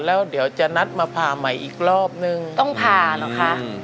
แล้วเดี๋ยวจะนัดมาผ่าใหม่อีกรอบนึงต้องผ่าเหรอคะ